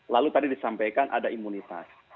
lalu tadi disampaikan ada imunitas